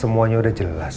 semuanya udah jelas